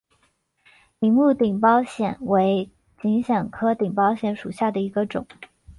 铃木顶苞藓为锦藓科顶苞藓属下的一个种。